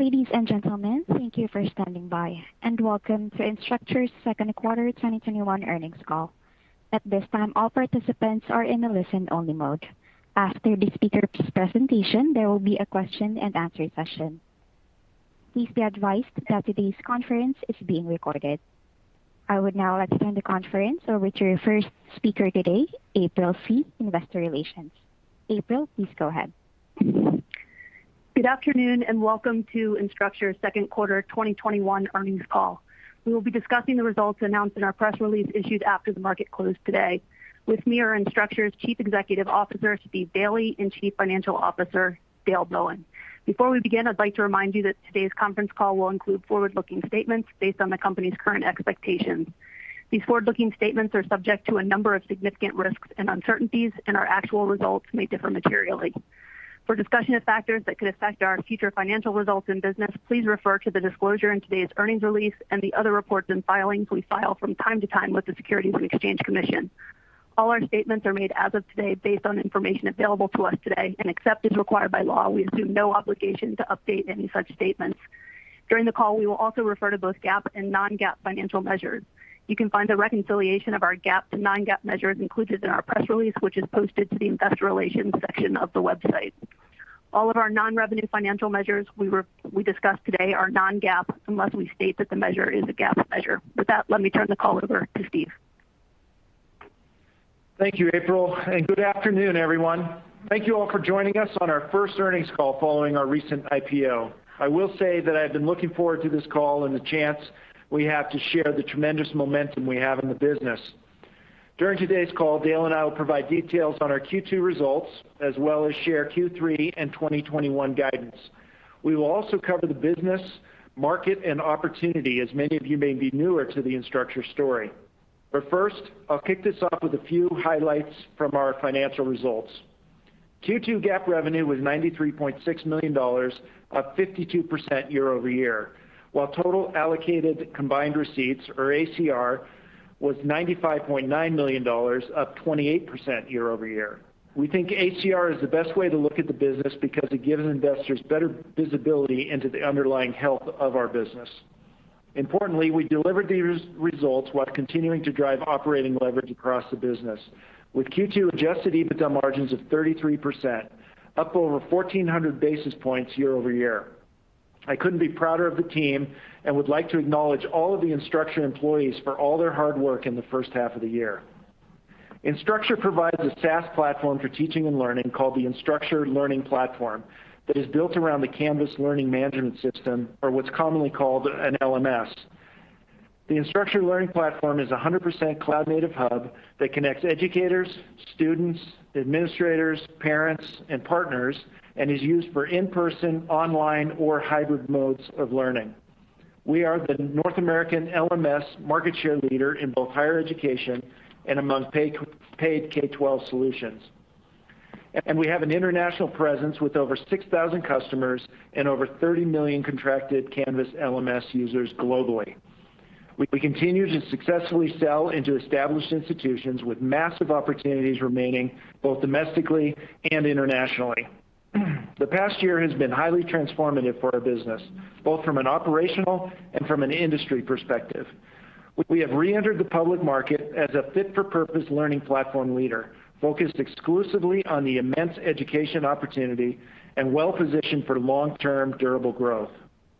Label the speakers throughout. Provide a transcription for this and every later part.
Speaker 1: Ladies and gentlemen, thank you for standing by, and welcome to Instructure's second quarter 2021 earnings call. At this time, all participants are in a listen-only mode. After the speakers' presentation, there will be a question and answer session. Please be advised that today's conference is being recorded. I would now like to turn the conference over to your first speaker today, April Scee, Investor Relations. April, please go ahead.
Speaker 2: Good afternoon and welcome to Instructure's second quarter 2021 earnings call. We will be discussing the results announced in our press release issued after the market closed today. With me are Instructure's Chief Executive Officer, Steve Daly, and Chief Financial Officer, Dale Bowen. Before we begin, I'd like to remind you that today's conference call will include forward-looking statements based on the company's current expectations. These forward-looking statements are subject to a number of significant risks and uncertainties, and our actual results may differ materially. For a discussion of factors that could affect our future financial results and business, please refer to the disclosure in today's earnings release and the other reports and filings we file from time to time with the Securities and Exchange Commission. All our statements are made as of today based on information available to us today. Except as required by law, we assume no obligation to update any such statements. During the call, we will also refer to both GAAP and non-GAAP financial measures. You can find a reconciliation of our GAAP to non-GAAP measures included in our press release, which is posted to the investor relations section of the website. All of our non-revenue financial measures we discuss today are non-GAAP, unless we state that the measure is a GAAP measure. With that, let me turn the call over to Steve.
Speaker 3: Thank you, April, and good afternoon, everyone. Thank you all for joining us on our first earnings call following our recent IPO. I will say that I've been looking forward to this call and the chance we have to share the tremendous momentum we have in the business. During today's call, Dale and I will provide details on our Q2 results, as well as share Q3 and 2021 guidance. We will also cover the business, market, and opportunity, as many of you may be newer to the Instructure story. First, I'll kick this off with a few highlights from our financial results. Q2 GAAP revenue was $93.6 million, up 52% year-over-year, while total Allocated Combined Receipts, or ACR, was $95.9 million, up 28% year-over-year. We think ACR is the best way to look at the business because it gives investors better visibility into the underlying health of our business. Importantly, we delivered these results while continuing to drive operating leverage across the business with Q2 adjusted EBITDA margins of 33%, up over 1,400 basis points year-over-year. I couldn't be prouder of the team and would like to acknowledge all of the Instructure employees for all their hard work in the first half of the year. Instructure provides a SaaS platform for teaching and learning called the Instructure Learning Platform that is built around the Canvas learning management system, or what's commonly called an LMS. The Instructure Learning Platform is a 100% cloud-native hub that connects educators, students, administrators, parents, and partners and is used for in-person, online, or hybrid modes of learning. We are the North American LMS market share leader in both higher education and among paid K-12 solutions. We have an international presence with over 6,000 customers and over 30 million contracted Canvas LMS users globally. We continue to successfully sell into established institutions with massive opportunities remaining both domestically and internationally. The past year has been highly transformative for our business, both from an operational and from an industry perspective. We have re-entered the public market as a fit-for-purpose learning platform leader focused exclusively on the immense education opportunity and well-positioned for long-term durable growth.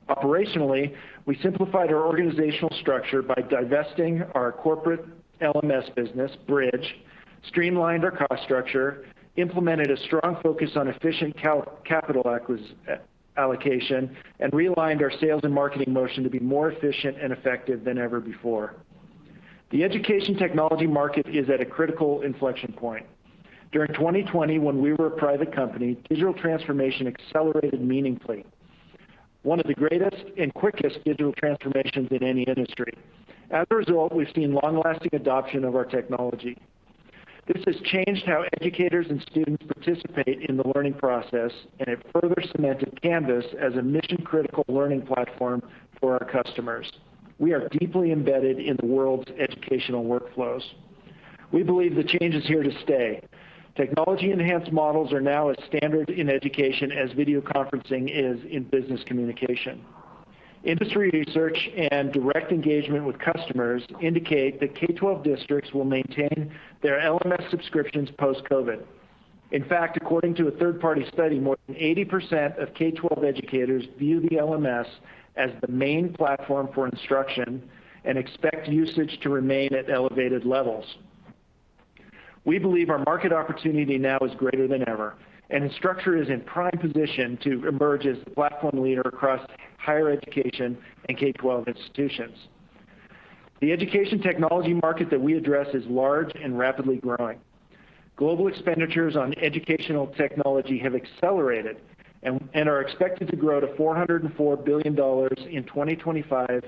Speaker 3: Operationally, we simplified our organizational structure by divesting our corporate LMS business, Bridge, streamlined our cost structure, implemented a strong focus on efficient capital allocation, and realigned our sales and marketing motion to be more efficient and effective than ever before. The education technology market is at a critical inflection point. During 2020, when we were a private company, digital transformation accelerated meaningfully, one of the greatest and quickest digital transformations in any industry. As a result, we've seen long-lasting adoption of our technology. This has changed how educators and students participate in the learning process, and it further cemented Canvas as a mission-critical learning platform for our customers. We are deeply embedded in the world's educational workflows. We believe the change is here to stay. Technology-enhanced models are now as standard in education as video conferencing is in business communication. Industry research and direct engagement with customers indicate that K-12 districts will maintain their LMS subscriptions post-COVID. In fact, according to a third-party study, more than 80% of K-12 educators view the LMS as the main platform for instruction and expect usage to remain at elevated levels. We believe our market opportunity now is greater than ever, and Instructure is in prime position to emerge as the platform leader across higher education and K-12 institutions. The education technology market that we address is large and rapidly growing. Global expenditures on educational technology have accelerated and are expected to grow to $404 billion in 2025,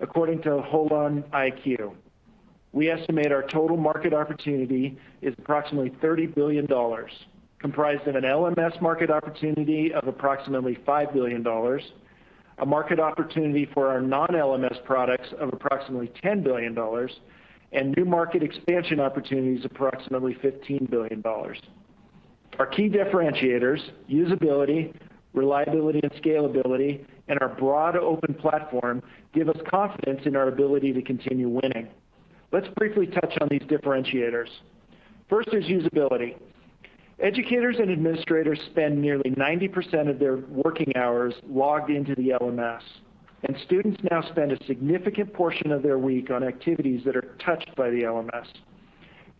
Speaker 3: according to HolonIQ. We estimate our total market opportunity is approximately $30 billion, comprised of an LMS market opportunity of approximately $5 billion, a market opportunity for our non-LMS products of approximately $10 billion, and new market expansion opportunities approximately $15 billion. Our key differentiators, usability, reliability and scalability, and our broad open platform, give us confidence in our ability to continue winning. Let's briefly touch on these differentiators. First is usability. Educators and administrators spend nearly 90% of their working hours logged into the LMS, and students now spend a significant portion of their week on activities that are touched by the LMS.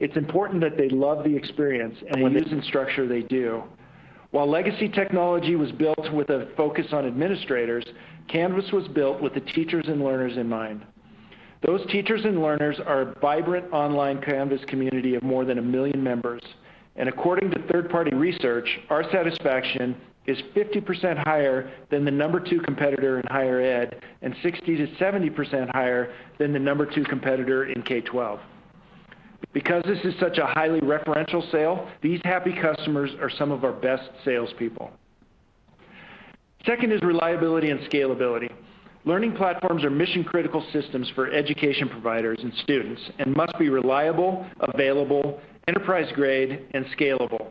Speaker 3: It's important that they love the experience, and when using Instructure, they do. While legacy technology was built with a focus on administrators, Canvas was built with the teachers and learners in mind. Those teachers and learners are a vibrant online Canvas community of more than 1 million members, and according to third-party research, our satisfaction is 50% higher than the number two competitor in higher ed, and 60%-70% higher than the number two competitor in K-12. Because this is such a highly referential sale, these happy customers are some of our best salespeople. Second is reliability and scalability. Learning platforms are mission-critical systems for education providers and students, and must be reliable, available, enterprise-grade, and scalable.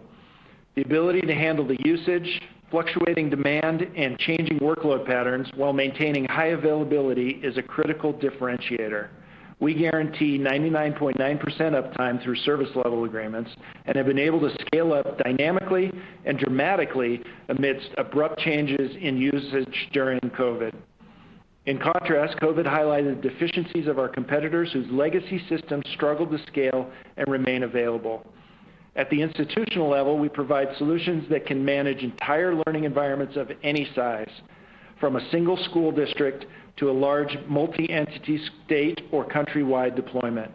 Speaker 3: The ability to handle the usage, fluctuating demand, and changing workload patterns while maintaining high availability is a critical differentiator. We guarantee 99.9% uptime through service level agreements and have been able to scale up dynamically and dramatically amidst abrupt changes in usage during COVID. In contrast, COVID highlighted deficiencies of our competitors, whose legacy systems struggled to scale and remain available. At the institutional level, we provide solutions that can manage entire learning environments of any size, from a single school district to a large multi-entity state or countrywide deployment.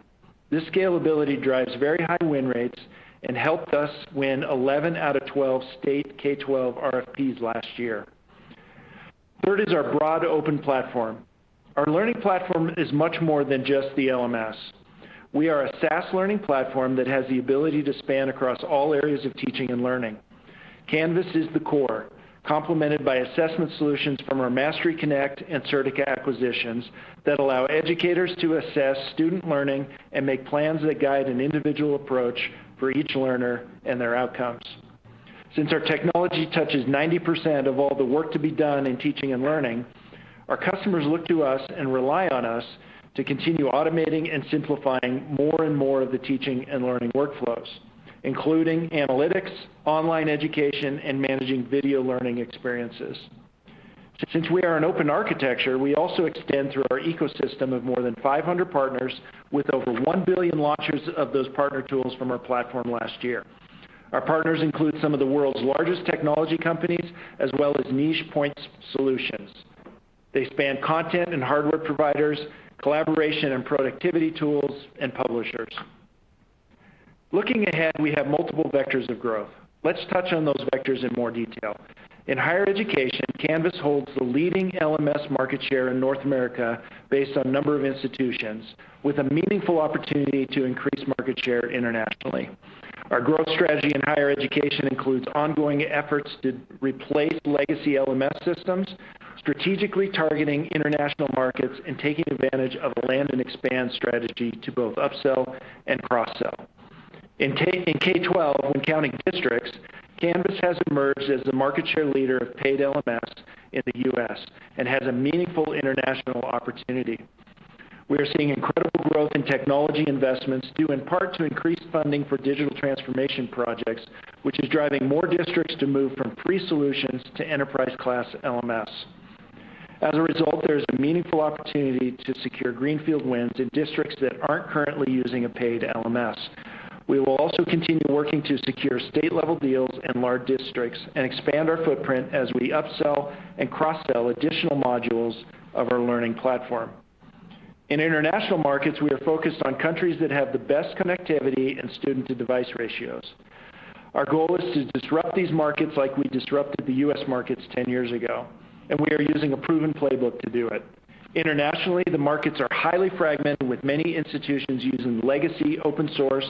Speaker 3: This scalability drives very high win rates and helped us win 11 out of 12 state K-12 RFPs last year. Third is our broad open platform. Our learning platform is much more than just the LMS. We are a SaaS learning platform that has the ability to span across all areas of teaching and learning. Canvas is the core, complemented by assessment solutions from our MasteryConnect and Certica acquisitions that allow educators to assess student learning and make plans that guide an individual approach for each learner and their outcomes. Since our technology touches 90% of all the work to be done in teaching and learning, our customers look to us and rely on us to continue automating and simplifying more and more of the teaching and learning workflows, including analytics, online education, and managing video learning experiences. Since we are an open architecture, we also extend through our ecosystem of more than 500 partners with over 1 billion launches of those partner tools from our platform last year. Our partners include some of the world's largest technology companies, as well as niche point solutions. They span content and hardware providers, collaboration and productivity tools, and publishers. Looking ahead, we have multiple vectors of growth. Let's touch on those vectors in more detail. In higher education, Canvas holds the leading LMS market share in North America based on number of institutions, with a meaningful opportunity to increase market share internationally. Our growth strategy in higher education includes ongoing efforts to replace legacy LMS systems, strategically targeting international markets, and taking advantage of a land and expand strategy to both upsell and cross-sell. In K-12 and county districts, Canvas has emerged as the market share leader of paid LMS in the U.S. and has a meaningful international opportunity. We are seeing incredible growth in technology investments, due in part to increased funding for digital transformation projects, which is driving more districts to move from free solutions to enterprise-class LMS. As a result, there is a meaningful opportunity to secure greenfield wins in districts that aren't currently using a paid LMS. We will also continue working to secure state-level deals in large districts and expand our footprint as we upsell and cross-sell additional modules of our learning platform. In international markets, we are focused on countries that have the best connectivity and student-to-device ratios. Our goal is to disrupt these markets like we disrupted the U.S. markets 10 years ago. We are using a proven playbook to do it. Internationally, the markets are highly fragmented, with many institutions using legacy open source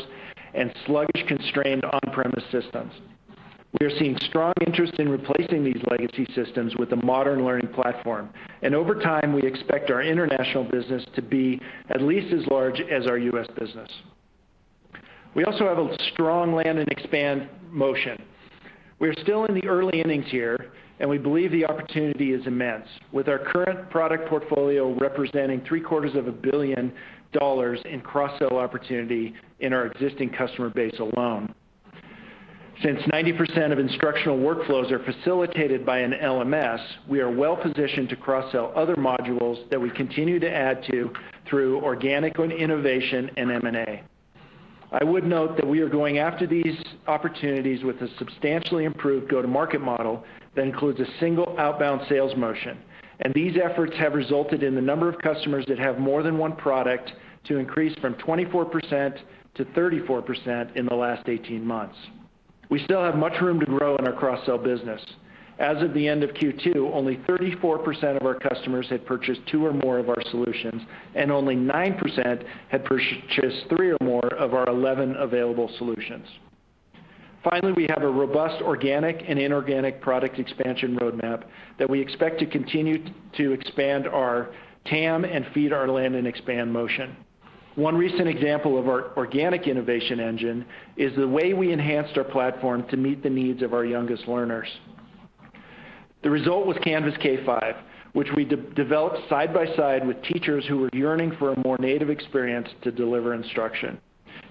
Speaker 3: and sluggish, constrained on-premise systems. We are seeing strong interest in replacing these legacy systems with a modern learning platform. Over time, we expect our international business to be at least as large as our U.S. business. We also have a strong land and expand motion. We are still in the early innings here, and we believe the opportunity is immense. With our current product portfolio representing three-quarters of a billion dollars in cross-sell opportunity in our existing customer base alone. Since 90% of instructional workflows are facilitated by an LMS, we are well-positioned to cross-sell other modules that we continue to add to through organic innovation and M&A. I would note that we are going after these opportunities with a substantially improved go-to-market model that includes a single outbound sales motion. These efforts have resulted in the number of customers that have more than one product to increase from 24%-34% in the last 18 months. We still have much room to grow in our cross-sell business. As of the end of Q2, only 34% of our customers had purchased two or more of our solutions, and only 9% had purchased three or more of our 11 available solutions. We have a robust organic and inorganic product expansion roadmap that we expect to continue to expand our TAM and feed our land and expand motion. One recent example of our organic innovation engine is the way we enhanced our platform to meet the needs of our youngest learners. The result was Canvas K-5, which we developed side by side with teachers who were yearning for a more native experience to deliver instruction.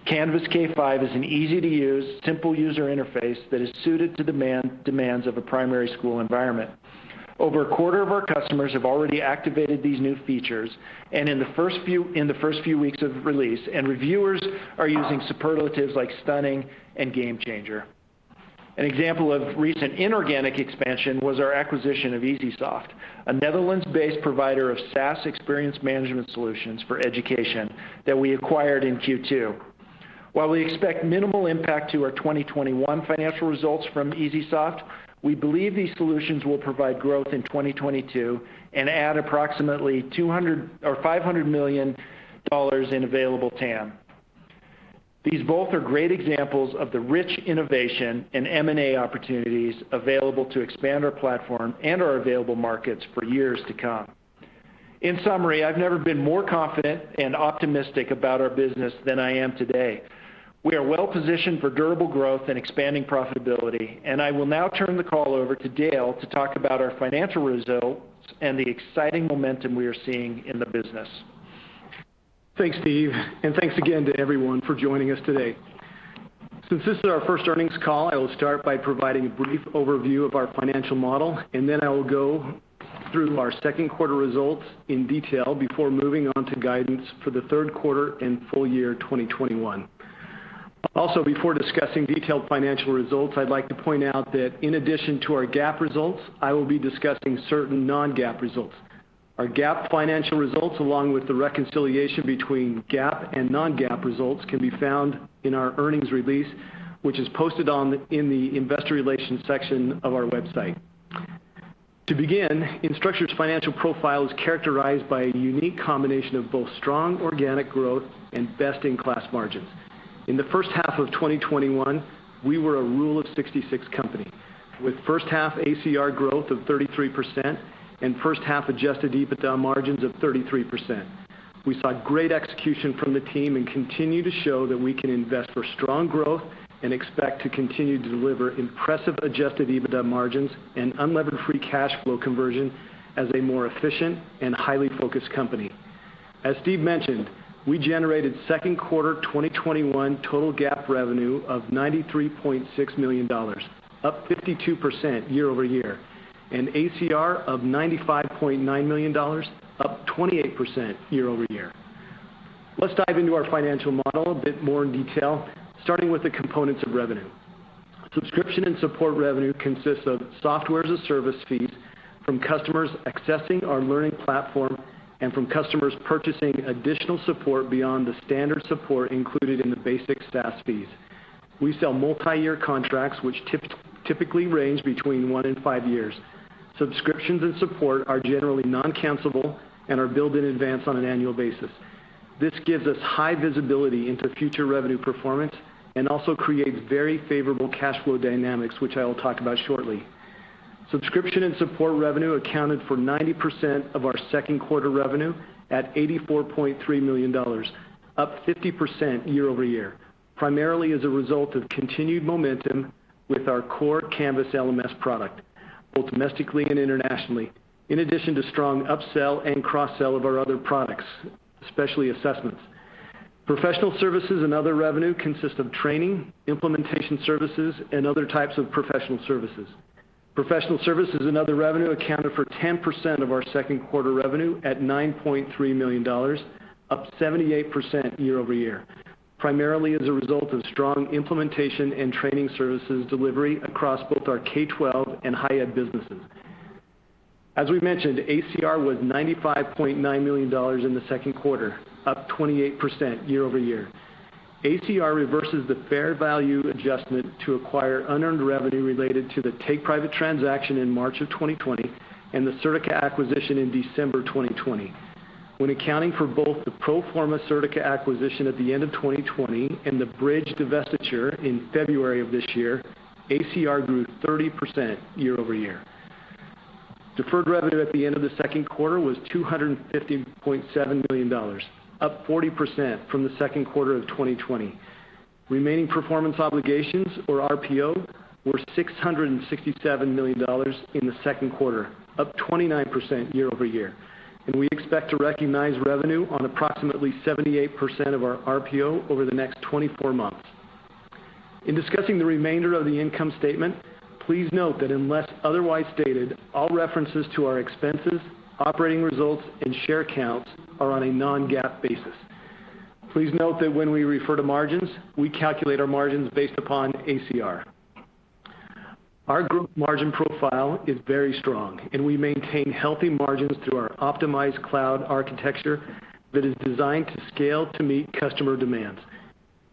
Speaker 3: Canvas K-5 is an easy-to-use, simple user interface that is suited to demands of a primary school environment. Over a quarter of our customers have already activated these new features in the first few weeks of release, and reviewers are using superlatives like stunning and game-changer. An example of recent inorganic expansion was our acquisition of EesySoft, a Netherlands-based provider of SaaS experience management solutions for education that we acquired in Q2. While we expect minimal impact to our 2021 financial results from EesySoft, we believe these solutions will provide growth in 2022 and add approximately $500 million in available TAM. These both are great examples of the rich innovation and M&A opportunities available to expand our platform and our available markets for years to come. In summary, I've never been more confident and optimistic about our business than I am today. We are well-positioned for durable growth and expanding profitability, and I will now turn the call over to Dale to talk about our financial results and the exciting momentum we are seeing in the business.
Speaker 4: Thanks, Steve, and thanks again to everyone for joining us today. Since this is our first earnings call, I will start by providing a brief overview of our financial model, and then I will go through our second quarter results in detail before moving on to guidance for the third quarter and full year 2021. Before discussing detailed financial results, I'd like to point out that in addition to our GAAP results, I will be discussing certain non-GAAP results. Our GAAP financial results, along with the reconciliation between GAAP and non-GAAP results, can be found in our earnings release, which is posted in the investor relations section of our website. To begin, Instructure's financial profile is characterized by a unique combination of both strong organic growth and best-in-class margins. In the first half of 2021, we were a Rule of 66 company, with first half ACR growth of 33% and first-half adjusted EBITDA margins of 33%. We saw great execution from the team and continue to show that we can invest for strong growth and expect to continue to deliver impressive adjusted EBITDA margins and unlevered free cash flow conversion as a more efficient and highly focused company. As Steve mentioned, we generated second quarter 2021 total GAAP revenue of $93.6 million, up 52% year-over-year, and ACR of $95.9 million, up 28% year-over-year. Let's dive into our financial model a bit more in detail, starting with the components of revenue. Subscription and support revenue consists of Software as a Service fees from customers accessing our learning platform and from customers purchasing additional support beyond the standard support included in the basic SaaS fees. We sell multiyear contracts, which typically range between one and five years. Subscriptions and support are generally non-cancelable and are billed in advance on an annual basis. This gives us high visibility into future revenue performance and also creates very favorable cash flow dynamics, which I will talk about shortly. Subscription and support revenue accounted for 90% of our second quarter revenue at $84.3 million, up 50% year-over-year, primarily as a result of continued momentum with our core Canvas LMS product, both domestically and internationally. In addition to strong upsell and cross-sell of our other products, especially assessments. Professional services and other revenue consist of training, implementation services, and other types of professional services. Professional services and other revenue accounted for 10% of our second quarter revenue at $9.3 million, up 78% year-over-year, primarily as a result of strong implementation and training services delivery across both our K-12 and higher ed businesses. As we mentioned, ACR was $95.9 million in the second quarter, up 28% year-over-year. ACR reverses the fair value adjustment to acquired unearned revenue related to the take-private transaction in March of 2020 and the Certica acquisition in December 2020. When accounting for both the pro forma Certica acquisition at the end of 2020 and the Bridge divestiture in February of this year, ACR grew 30% year-over-year. Deferred revenue at the end of the second quarter was $250.7 million, up 40% from the second quarter of 2020. Remaining performance obligations, or RPO, were $667 million in the second quarter, up 29% year-over-year, and we expect to recognize revenue on approximately 78% of our RPO over the next 24 months. In discussing the remainder of the income statement, please note that unless otherwise stated, all references to our expenses, operating results, and share counts are on a non-GAAP basis. Please note that when we refer to margins, we calculate our margins based upon ACR. Our group margin profile is very strong, and we maintain healthy margins through our optimized cloud architecture that is designed to scale to meet customer demands.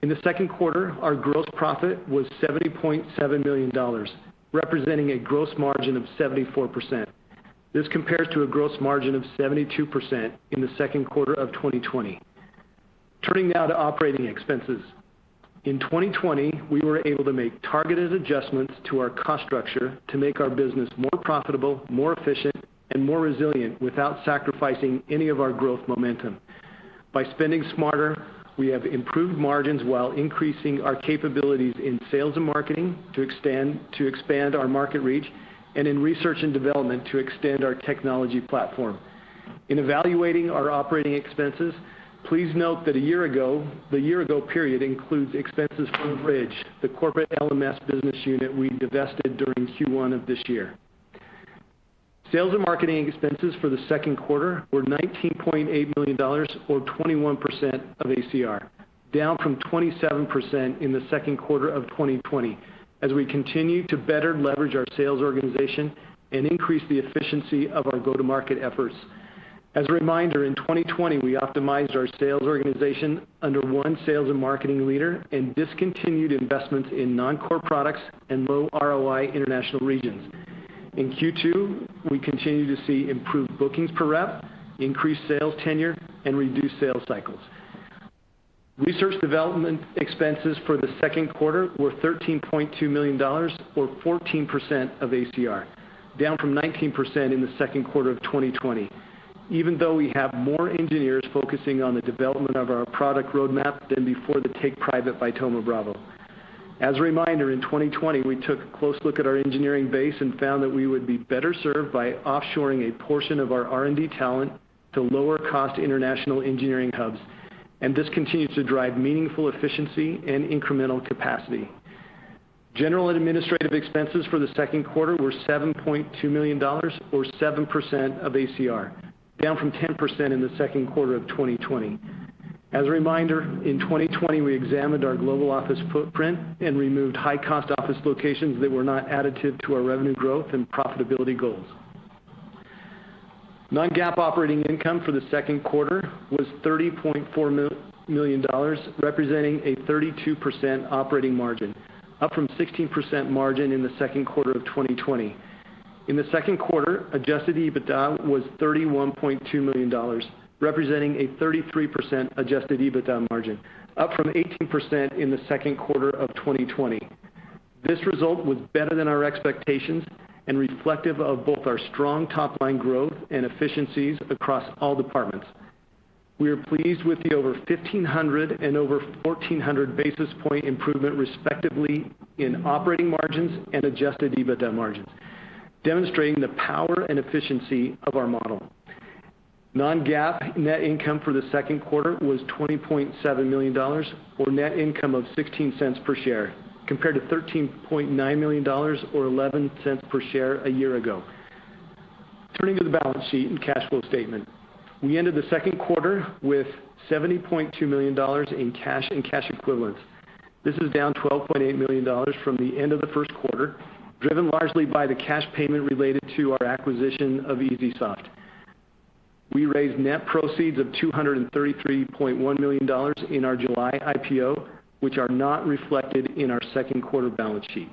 Speaker 4: In the second quarter, our gross profit was $70.7 million, representing a gross margin of 74%. This compares to a gross margin of 72% in the second quarter of 2020. Turning now to operating expenses. In 2020, we were able to make targeted adjustments to our cost structure to make our business more profitable, more efficient, and more resilient without sacrificing any of our growth momentum. By spending smarter, we have improved margins while increasing our capabilities in sales and marketing to expand our market reach, and in research and development to extend our technology platform. In evaluating our operating expenses, please note that the year-ago period includes expenses for Bridge, the corporate LMS business unit we divested during Q1 of this year. Sales and marketing expenses for the second quarter were $19.8 million, or 21% of ACR, down from 27% in the second quarter of 2020, as we continue to better leverage our sales organization and increase the efficiency of our go-to-market efforts. As a reminder, in 2020, we optimized our sales organization under one sales and marketing leader and discontinued investments in non-core products and low ROI international regions. In Q2, we continue to see improved bookings per rep, increased sales tenure, and reduced sales cycles. Research development expenses for the second quarter were $13.2 million, or 14% of ACR, down from 19% in the second quarter of 2020, even though we have more engineers focusing on the development of our product roadmap than before the take private by Thoma Bravo. As a reminder, in 2020, we took a close look at our engineering base and found that we would be better served by offshoring a portion of our R&D talent to lower-cost international engineering hubs. This continues to drive meaningful efficiency and incremental capacity. General and administrative expenses for the second quarter were $7.2 million, or 7% of ACR, down from 10% in the second quarter of 2020. As a reminder, in 2020, we examined our global office footprint and removed high-cost office locations that were not additive to our revenue growth and profitability goals. Non-GAAP operating income for the second quarter was $30.4 million, representing a 32% operating margin, up from 16% margin in the second quarter of 2020. In the second quarter, adjusted EBITDA was $31.2 million, representing a 33% adjusted EBITDA margin, up from 18% in the second quarter of 2020. This result was better than our expectations and reflective of both our strong top-line growth and efficiencies across all departments. We are pleased with the over 1,500 and over 1,400 basis point improvement, respectively, in operating margins and adjusted EBITDA margins, demonstrating the power and efficiency of our model. Non-GAAP net income for the second quarter was $20.7 million, or net income of $0.16 per share, compared to $13.9 million or $0.11 per share a year ago. Turning to the balance sheet and cash flow statement. We ended the second quarter with $70.2 million in cash and cash equivalents. This is down $12.8 million from the end of the first quarter, driven largely by the cash payment related to our acquisition of EesySoft. We raised net proceeds of $233.1 million in our July IPO, which are not reflected in our second quarter balance sheet.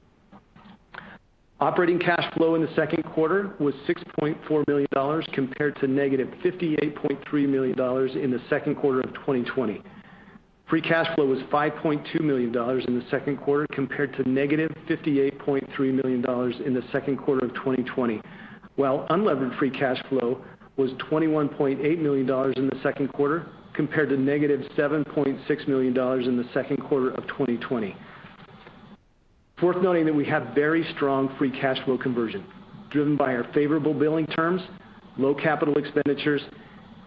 Speaker 4: Operating cash flow in the second quarter was $6.4 million, compared to negative $58.3 million in the second quarter of 2020. Free cash flow was $5.2 million in the second quarter, compared to negative $58.3 million in the second quarter of 2020, while unlevered free cash flow was $21.8 million in the second quarter, compared to negative $7.6 million in the second quarter of 2020. Worth noting that we have very strong free cash flow conversion. Driven by our favorable billing terms, low capital expenditures,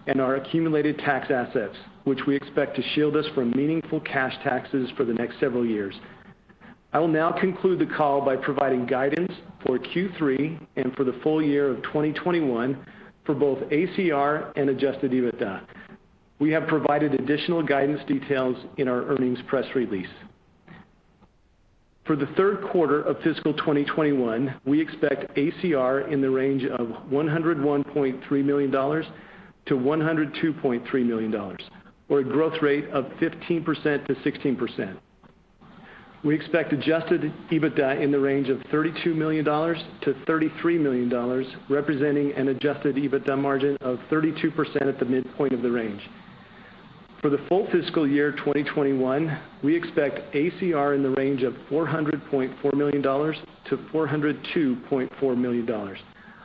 Speaker 4: and our accumulated tax assets, which we expect to shield us from meaningful cash taxes for the next several years. I will now conclude the call by providing guidance for Q3 and for the full year of 2021 for both ACR and adjusted EBITDA. We have provided additional guidance details in our earnings press release. For the third quarter of fiscal 2021, we expect ACR in the range of $101.3 million-$102.3 million, or a growth rate of 15%-16%. We expect adjusted EBITDA in the range of $32 million-$33 million, representing an adjusted EBITDA margin of 32% at the midpoint of the range. For the full fiscal year 2021, we expect ACR in the range of $400.4 million-$402.4 million,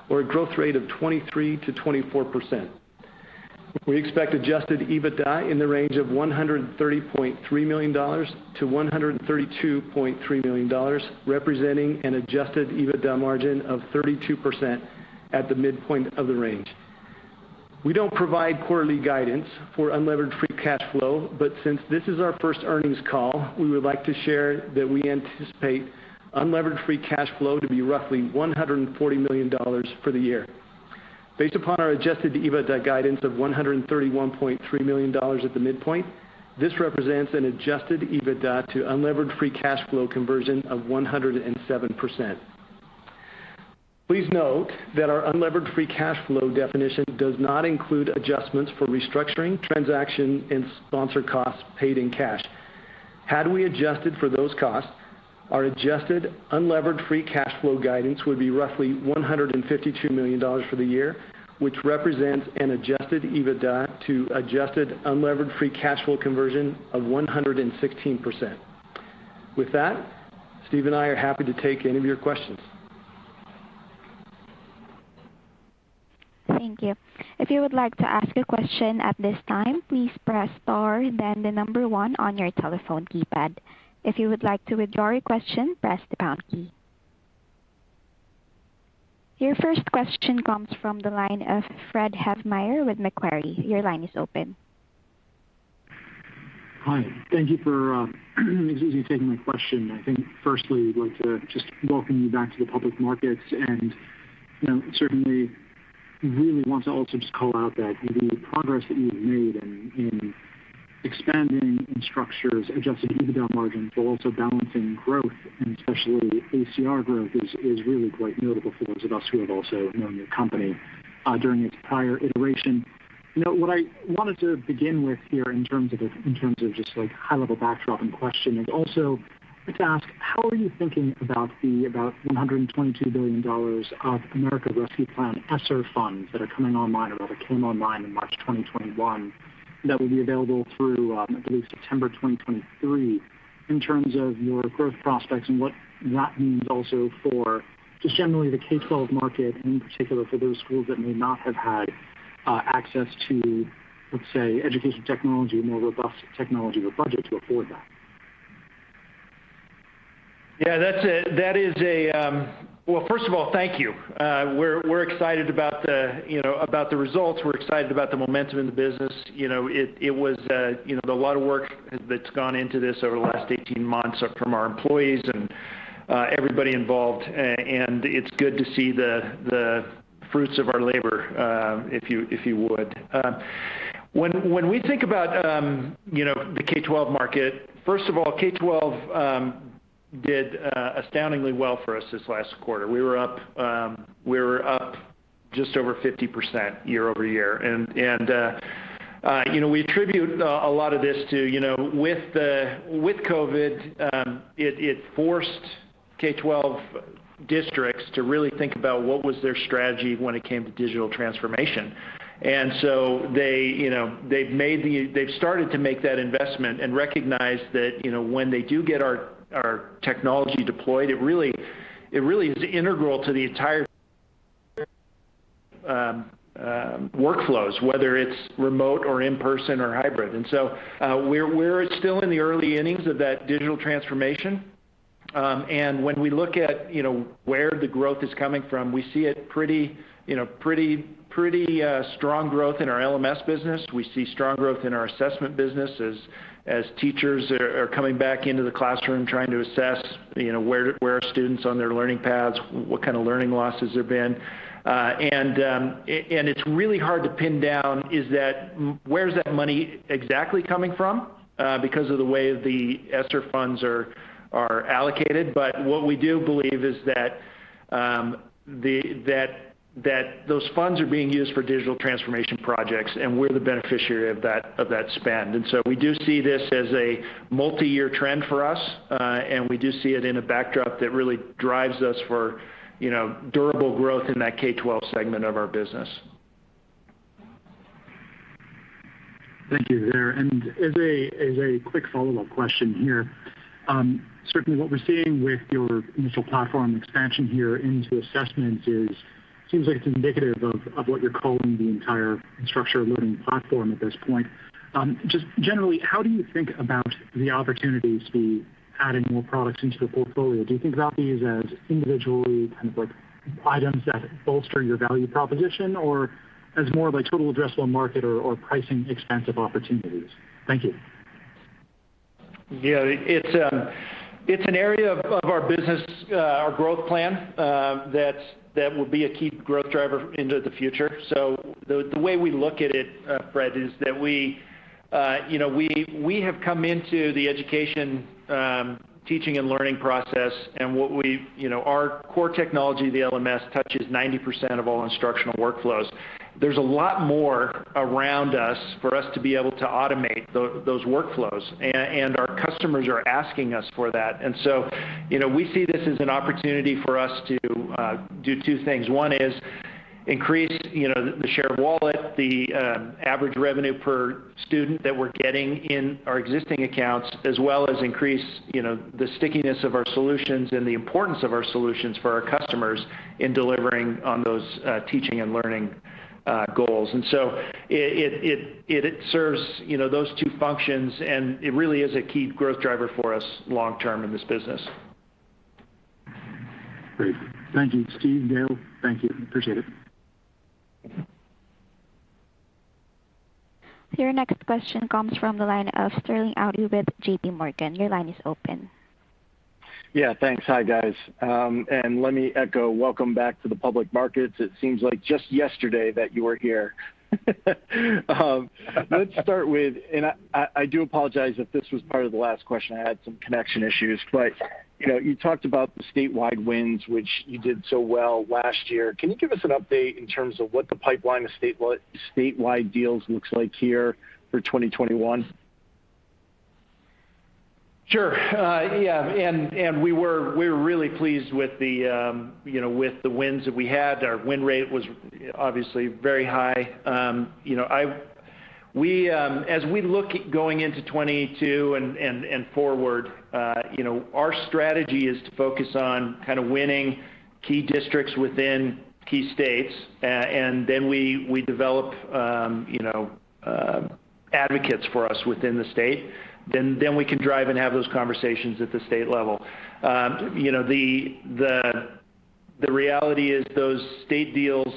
Speaker 4: or a growth rate of 23%-24%. We expect adjusted EBITDA in the range of $130.3 million-$132.3 million, representing an adjusted EBITDA margin of 32% at the midpoint of the range. We don't provide quarterly guidance for unlevered free cash flow, but since this is our first earnings call, we would like to share that we anticipate unlevered free cash flow to be roughly $140 million for the year. Based upon our adjusted EBITDA guidance of $131.3 million at the midpoint, this represents an adjusted EBITDA to unlevered free cash flow conversion of 107%. Please note that our unlevered free cash flow definition does not include adjustments for restructuring, transaction, and sponsor costs paid in cash. Had we adjusted for those costs. Our adjusted unlevered free cash flow guidance would be roughly $152 million for the year, which represents an adjusted EBITDA to adjusted unlevered free cash flow conversion of 116%. With that, Steve and I are happy to take any of your questions.
Speaker 1: Thank you. If you would like to ask a question at this time, please press star then the number one on your telephone keypad. If you would like to withdraw your question, press the pound key. Your first question comes from the line of Fred Havemeyer with Macquarie. Your line is open.
Speaker 5: Hi. Thank you for taking my question. I think firstly, we'd like to just welcome you back to the public markets, and certainly really want to also just call out that the progress that you've made in expanding Instructure's adjusted EBITDA margins, but also balancing growth and especially ACR growth is really quite notable for those of us who have also known your company during its prior iteration. What I wanted to begin with here in terms of just high-level backdrop and question is also like to ask, how are you thinking about the about $122 billion of American Rescue Plan ESSER funds that are coming online, or that came online in March 2021 that will be available through, I believe, September 2023, in terms of your growth prospects and what that means also for just generally the K-12 market and in particular for those schools that may not have had access to, let's say, education technology, more robust technology or budget to afford that?
Speaker 3: Well, first of all, thank you. We're excited about the results. We're excited about the momentum in the business. It was a lot of work that's gone into this over the last 18 months from our employees and everybody involved. It's good to see the fruits of our labor, if you would. When we think about the K-12 market, first of all, K-12 did astoundingly well for us this last quarter. We were up just over 50% year-over-year. We attribute a lot of this to, with COVID, it forced K-12 districts to really think about what was their strategy when it came to digital transformation. They've started to make that investment and recognized that when they do get our technology deployed, it really is integral to the entire workflows, whether it's remote or in-person or hybrid. We're still in the early innings of that digital transformation. When we look at where the growth is coming from, we see a pretty strong growth in our LMS business. We see strong growth in our assessment business as teachers are coming back into the classroom trying to assess where are students on their learning paths, what kind of learning losses there've been. It's really hard to pin down where's that money exactly coming from, because of the way the ESSER funds are allocated. What we do believe is that those funds are being used for digital transformation projects, and we're the beneficiary of that spend. We do see this as a multi-year trend for us. We do see it in a backdrop that really drives us for durable growth in that K-12 segment of our business.
Speaker 5: Thank you there. As a quick follow-up question here. Certainly, what we're seeing with your initial platform expansion here into assessments is, seems like it's indicative of what you're calling the entire Instructure Learning Platform at this point. Just generally, how do you think about the opportunities to be adding more products into the portfolio? Do you think about these as individually items that bolster your value proposition or as more of a total addressable market or pricing expansive opportunities? Thank you.
Speaker 3: Yeah. It's an area of our business, our growth plan, that will be a key growth driver into the future. The way we look at it, Fred, is that we have come into the education, teaching and learning process, and our core technology, the LMS, touches 90% of all instructional workflows. There's a lot more around us for us to be able to automate those workflows, and our customers are asking us for that. We see this as an opportunity for us to do two things. One is increase the share of wallet, the average revenue per student that we're getting in our existing accounts, as well as increase the stickiness of our solutions and the importance of our solutions for our customers in delivering on those teaching and learning goals. It serves those two functions, and it really is a key growth driver for us long-term in this business.
Speaker 5: Great. Thank you, Steve, Dale. Thank you. Appreciate it.
Speaker 1: Your next question comes from the line of Sterling Auty with JPMorgan. Your line is open.
Speaker 6: Yeah, thanks. Hi, guys. Let me echo welcome back to the public markets. It seems like just yesterday that you were here. Let's start with, I do apologize if this was part of the last question. I had some connection issues, you talked about the statewide wins, which you did so well last year. Can you give us an update in terms of what the pipeline of statewide deals looks like here for 2021?
Speaker 3: Sure. Yeah, and we were really pleased with the wins that we had. Our win rate was obviously very high. As we look at going into 2022 and forward, our strategy is to focus on winning key districts within key states, and then we develop advocates for us within the state. We can drive and have those conversations at the state level. The reality is those state deals,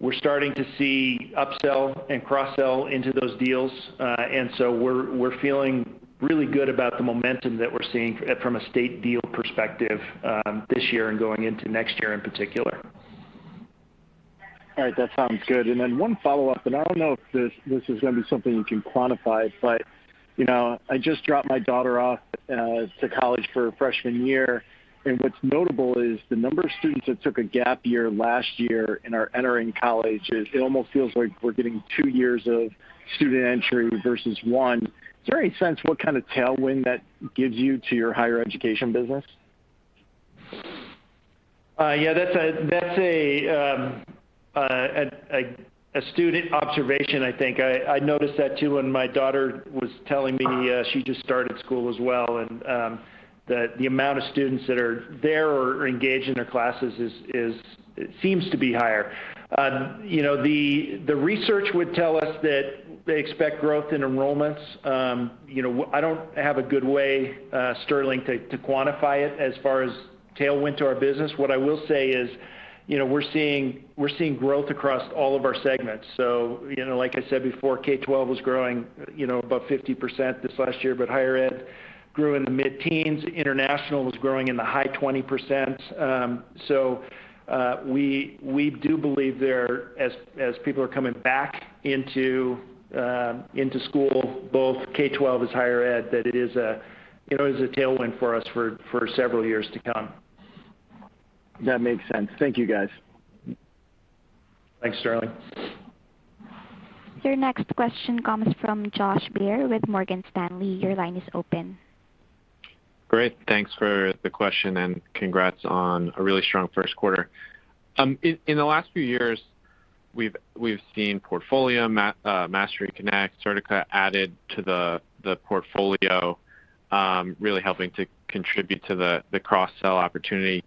Speaker 3: we're starting to see upsell and cross-sell into those deals. We're feeling really good about the momentum that we're seeing from a state deal perspective this year and going into next year in particular.
Speaker 6: All right. That sounds good. Then one follow-up, and I don't know if this is going to be something you can quantify, but I just dropped my daughter off to college for freshman year, and what's notable is the number of students that took a gap year last year and are entering college is, it almost feels like we're getting two years of student entry versus 1. Is there any sense what kind of tailwind that gives you to your higher education business?
Speaker 3: Yeah. That's an astute observation, I think. I noticed that too when my daughter was telling me she just started school as well, and that the amount of students that are there or engaged in their classes seems to be higher. The research would tell us that they expect growth in enrollments. I don't have a good way, Sterling, to quantify it as far as tailwind to our business. Like I said before, K-12 was growing above 50% this last year, but higher ed grew in the mid-teens. International was growing in the high 20%. We do believe there, as people are coming back into school, both K-12 as higher ed, that it is a tailwind for us for several years to come.
Speaker 6: That makes sense. Thank you, guys.
Speaker 3: Thanks, Sterling.
Speaker 1: Your next question comes from Josh Baer with Morgan Stanley. Your line is open.
Speaker 7: Great. Thanks for the question and congrats on a really strong first quarter. In the last few years, we've seen Portfolium, MasteryConnect, Certica added to the portfolio, really helping to contribute to the cross-sell opportunity.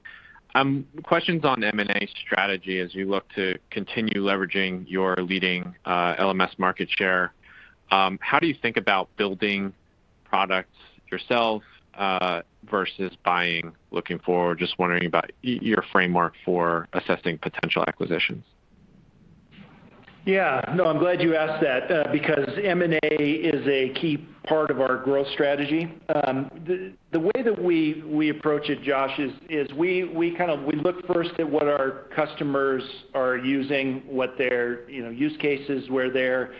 Speaker 7: Questions on M&A strategy as you look to continue leveraging your leading LMS market share. How do you think about building products yourself versus buying looking forward? Just wondering about your framework for assessing potential acquisitions.
Speaker 3: Yeah. No, I'm glad you asked that because M&A is a key part of our growth strategy. The way that we approach it, Josh, is we look first at what our customers are using, what their use cases, where they're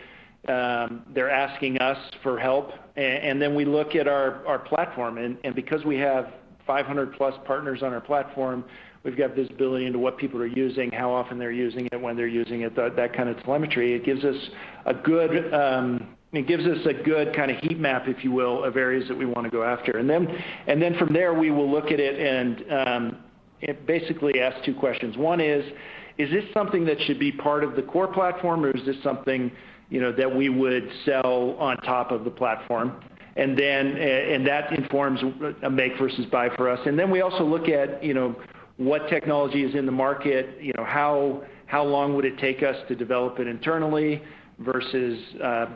Speaker 3: asking us for help, and then we look at our platform. Because we have 500+ partners on our platform, we've got visibility into what people are using, how often they're using it, when they're using it, that kind of telemetry. It gives us a good kind of heat map, if you will, of areas that we want to go after. Then from there, we will look at it and basically ask two questions. One is this something that should be part of the core platform, or is this something that we would sell on top of the platform? That informs a make versus buy for us. We also look at what technology is in the market, how long would it take us to develop it internally versus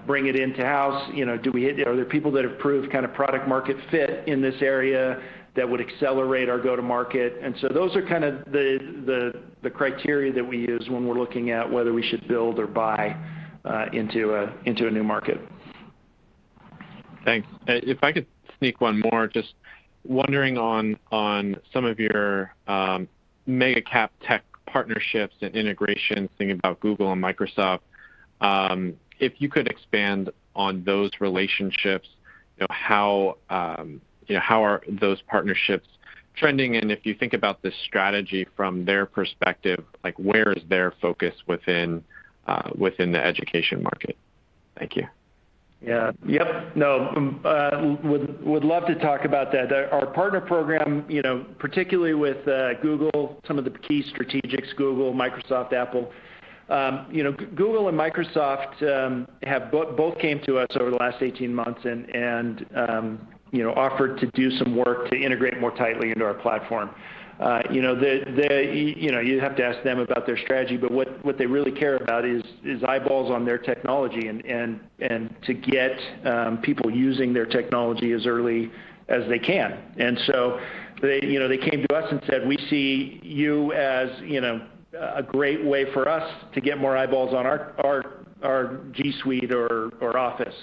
Speaker 3: bring it in-house. Are there people that have proved product market fit in this area that would accelerate our go-to-market? Those are the criteria that we use when we're looking at whether we should build or buy into a new market.
Speaker 7: Thanks. If I could sneak one more, just wondering on some of your mega cap tech partnerships and integrations, thinking about Google and Microsoft, if you could expand on those relationships. How are those partnerships trending? If you think about the strategy from their perspective, where is their focus within the education market? Thank you.
Speaker 3: Yeah. Would love to talk about that. Our partner program, particularly with Google, some of the key strategics, Google, Microsoft, Apple. Google and Microsoft both came to us over the last 18 months and offered to do some work to integrate more tightly into our platform. You'd have to ask them about their strategy, but what they really care about is eyeballs on their technology and to get people using their technology as early as they can. They came to us and said, "We see you as a great way for us to get more eyeballs on our G Suite or Office."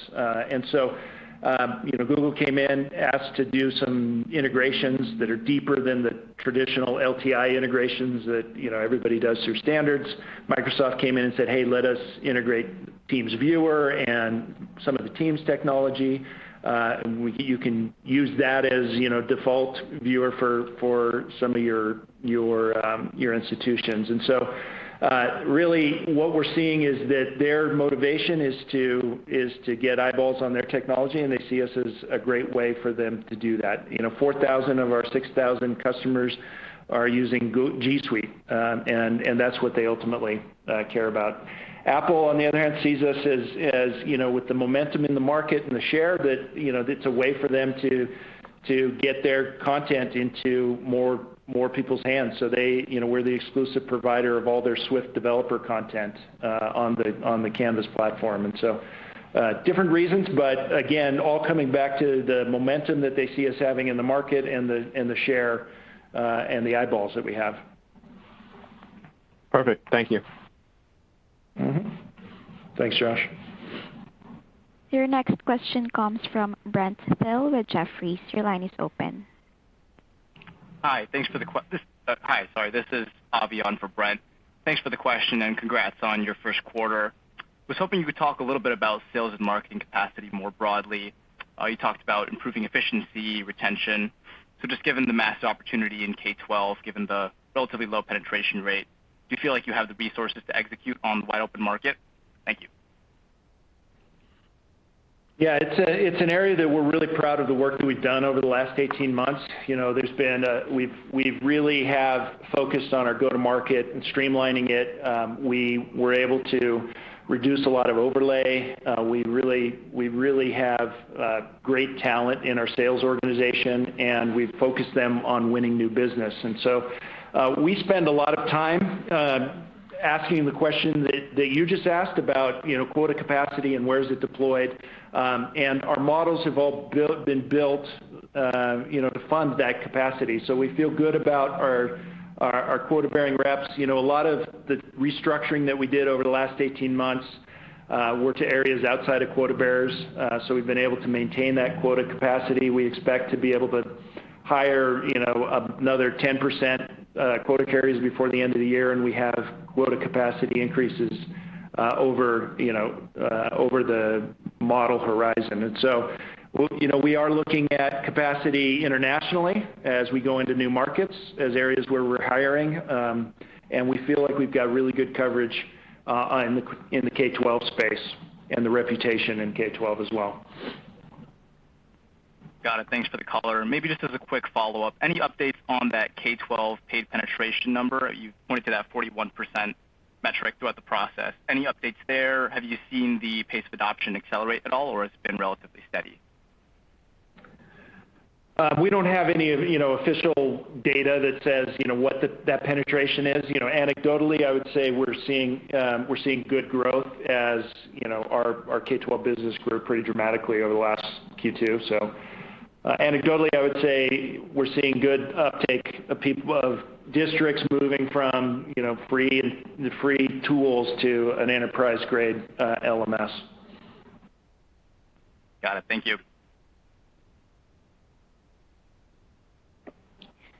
Speaker 3: Google came in, asked to do some integrations that are deeper than the traditional LTI integrations that everybody does through standards. Microsoft came in and said, "Hey, let us integrate Microsoft Teams and some of the Teams technology." You can use that as default viewer for some of your institutions. Really what we're seeing is that their motivation is to get eyeballs on their technology, and they see us as a great way for them to do that. 4,000 of our 6,000 customers are using Google Workspace, and that's what they ultimately care about. Apple, on the other hand, sees us as, with the momentum in the market and the share that it's a way for them to get their content into more people's hands. We're the exclusive provider of all their Develop in Swift content on the Canvas LMS. Different reasons, but again, all coming back to the momentum that they see us having in the market and the share, and the eyeballs that we have.
Speaker 7: Perfect. Thank you.
Speaker 3: Thanks, Josh.
Speaker 1: Your next question comes from Brent Thill with Jefferies. Your line is open.
Speaker 8: Hi. Sorry. This is Avi on for Brent. Thanks for the question, and congrats on your first quarter. Was hoping you could talk a little bit about sales and marketing capacity more broadly. You talked about improving efficiency, retention. Just given the mass opportunity in K-12, given the relatively low penetration rate, do you feel like you have the resources to execute on the wide-open market? Thank you.
Speaker 3: It's an area that we're really proud of the work that we've done over the last 18 months. We really have focused on our go-to market and streamlining it. We were able to reduce a lot of overlay. We really have great talent in our sales organization, and we've focused them on winning new business. We spend a lot of time asking the question that you just asked about quota capacity and where is it deployed. Our models have all been built to fund that capacity. We feel good about our quota-bearing reps. A lot of the restructuring that we did over the last 18 months were to areas outside of quota bearers. We've been able to maintain that quota capacity. We expect to be able to hire another 10% quota carriers before the end of the year, and we have quota capacity increases over the model horizon. We are looking at capacity internationally as we go into new markets, as areas where we're hiring. We feel like we've got really good coverage in the K-12 space and the reputation in K-12 as well.
Speaker 8: Got it. Thanks for the color. Maybe just as a quick follow-up, any updates on that K-12 paid penetration number? You've pointed to that 41% metric throughout the process. Any updates there? Have you seen the pace of adoption accelerate at all, or it's been relatively steady?
Speaker 3: We don't have any official data that says what that penetration is. Anecdotally, I would say we're seeing good growth as our K-12 business grew pretty dramatically over the last Q2. Anecdotally, I would say we're seeing good uptake of districts moving from free tools to an enterprise-grade LMS.
Speaker 8: Got it. Thank you.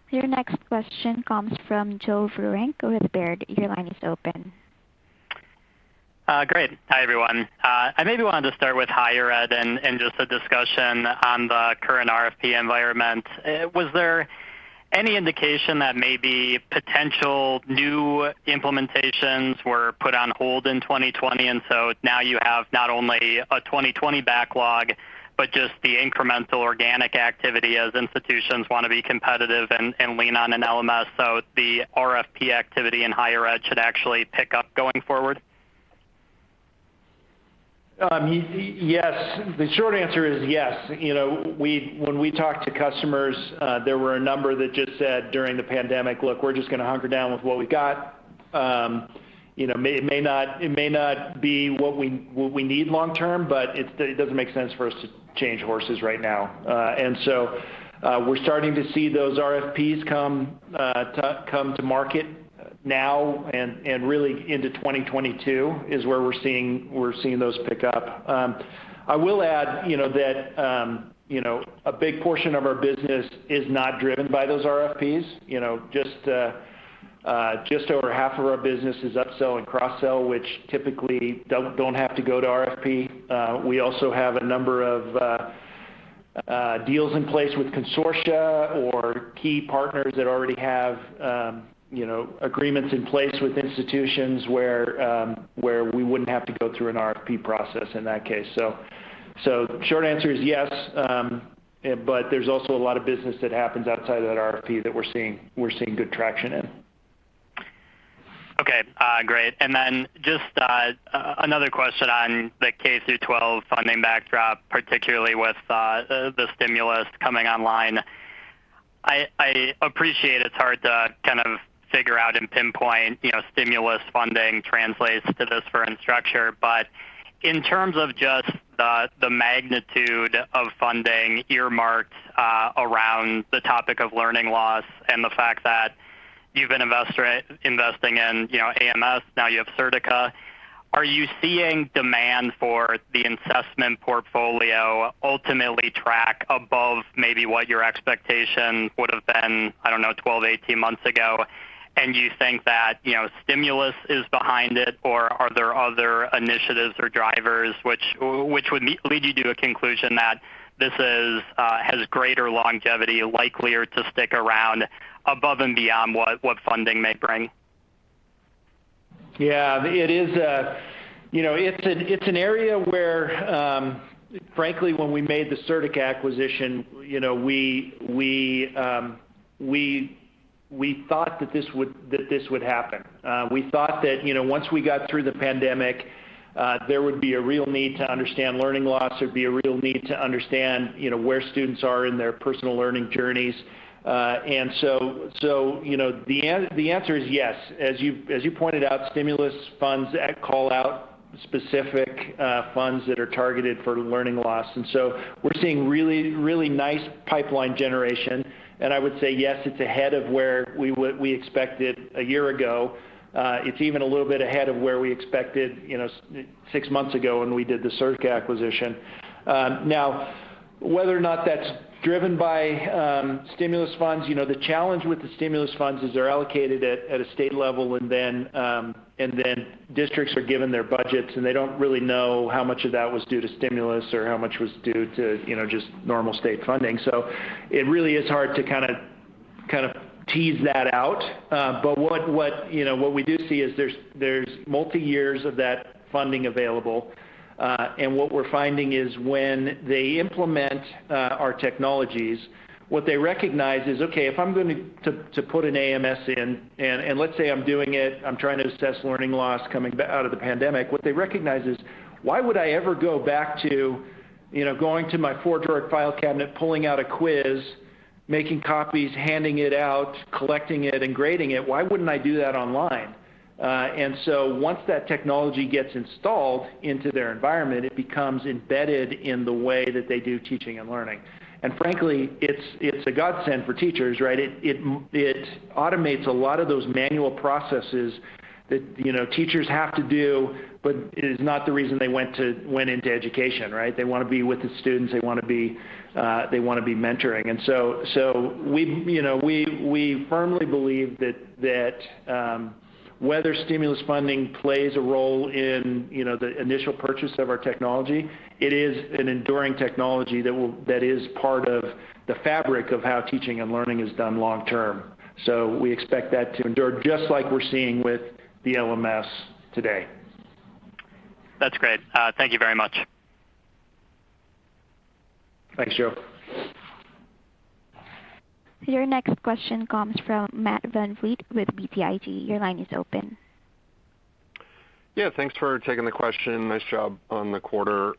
Speaker 1: Your next question comes from Joe Vruwink with Baird. Your line is open.
Speaker 9: Great. Hi, everyone. I maybe wanted to start with higher ed and just a discussion on the current RFP environment. Was there any indication that maybe potential new implementations were put on hold in 2020, and so now you have not only a 2020 backlog, but just the incremental organic activity as institutions want to be competitive and lean on an LMS, so the RFP activity in higher ed should actually pick up going forward?
Speaker 3: Yes. The short answer is yes. When we talked to customers, there were a number that just said during the pandemic, "Look, we're just going to hunker down with what we've got. It may not be what we need long term, but it doesn't make sense for us to change horses right now." We're starting to see those RFPs come to market now and really into 2022 is where we're seeing those pick up. I will add that a big portion of our business is not driven by those RFPs. Just over half of our business is upsell and cross-sell, which typically don't have to go to RFP. We also have a number of deals in place with consortia or key partners that already have agreements in place with institutions where we wouldn't have to go through an RFP process in that case. Short answer is yes, but there's also a lot of business that happens outside of that RFP that we're seeing good traction in.
Speaker 9: Okay. Great. Just another question on the K-12 funding backdrop, particularly with the stimulus coming online. I appreciate it's hard to kind of figure out and pinpoint stimulus funding translates to this for Instructure. In terms of just the magnitude of funding earmarked around the topic of learning loss and the fact that you've been investing in AMS, now you have Certica, are you seeing demand for the assessment portfolio ultimately track above maybe what your expectation would have been, I don't know, 12, 18 months ago, and you think that stimulus is behind it? Are there other initiatives or drivers which would lead you to a conclusion that this has greater longevity, likelier to stick around above and beyond what funding may bring?
Speaker 3: Yeah. It's an area where, frankly, when we made the Certica acquisition, we thought that this would happen. We thought that once we got through the pandemic, there would be a real need to understand learning loss, there'd be a real need to understand where students are in their personal learning journeys. The answer is yes. As you pointed out, stimulus funds call out specific funds that are targeted for learning loss. We're seeing really nice pipeline generation. I would say yes, it's ahead of where we expected a year ago. It's even a little bit ahead of where we expected six months ago when we did the Certica acquisition. Whether or not that's driven by stimulus funds, the challenge with the stimulus funds is they're allocated at a state level and then districts are given their budgets, and they don't really know how much of that was due to stimulus or how much was due to just normal state funding. It really is hard to tease that out. What we do see is there's multi-years of that funding available. What we're finding is when they implement our technologies. What they recognize is, okay, if I'm going to put an AMS in, and let's say I'm doing it, I'm trying to assess learning loss coming out of the pandemic. What they recognize is, why would I ever go back to going to my four-drawer file cabinet, pulling out a quiz, making copies, handing it out, collecting it, and grading it? Why wouldn't I do that online? Once that technology gets installed into their environment, it becomes embedded in the way that they do teaching and learning. Frankly, it's a godsend for teachers, right? It automates a lot of those manual processes that teachers have to do, it is not the reason they went into education, right? They want to be with the students, they want to be mentoring. We firmly believe that whether stimulus funding plays a role in the initial purchase of our technology. It is an enduring technology that is part of the fabric of how teaching and learning is done long-term. We expect that to endure, just like we're seeing with the LMS today.
Speaker 9: That's great. Thank you very much.
Speaker 3: Thanks, Joe.
Speaker 1: Your next question comes from Matt VanVliet with BTIG. Your line is open.
Speaker 10: Thanks for taking the question. Nice job on the quarter.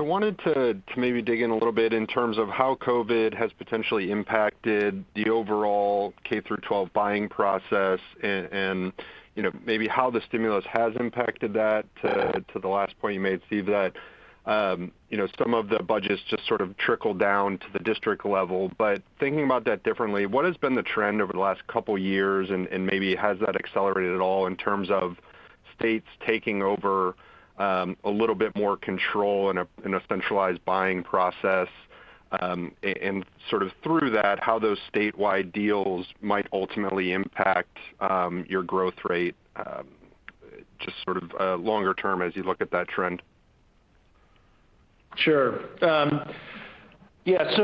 Speaker 10: Wanted to maybe dig in a little bit in terms of how COVID has potentially impacted the overall K-12 buying process and maybe how the stimulus has impacted that. To the last point you made, Steve, that some of the budgets just sort of trickle down to the district level. Thinking about that differently, what has been the trend over the last couple of years, and maybe has that accelerated at all in terms of states taking over a little bit more control in a centralized buying process? Through that, how those statewide deals might ultimately impact your growth rate, just sort of longer term as you look at that trend?
Speaker 3: Sure. Yeah.